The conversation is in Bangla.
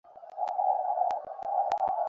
তুমি এখন ছবিটা একটু দেখ তো।